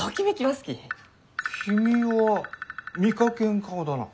君は見かけん顔だな。